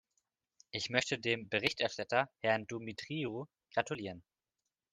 Ich möchte dem Berichterstatter Herrn Dumitriu gratulieren.